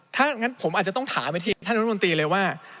ถ้าอย่างงั้นผมอาจจะต้องถามสิทธิิตที่นักธนตรวนตีเลยว่า